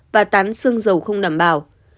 và tán xương dầu không đảm bảo